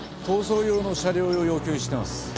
逃走用の車両を要求してます。